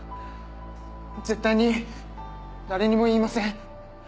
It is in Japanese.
絶対に誰にも言いません。